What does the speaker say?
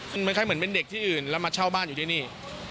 มันคล้ายเหมือนเป็นเด็กที่อื่นแล้วมาเช่าบ้านอยู่ที่นี่